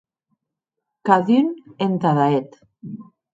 Cadun entada eth.